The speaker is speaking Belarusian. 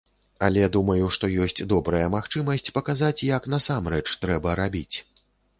Але думаю, што ёсць добрая магчымасць паказаць, як насамрэч трэба рабіць.